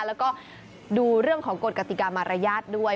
แล้วก็ดูเรื่องของกฎกติกามารยาทด้วย